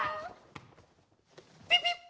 ピピッ！